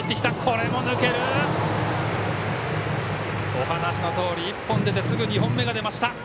お話のとおり１本出てすぐ２本目が出ました。